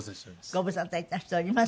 ご無沙汰いたしております。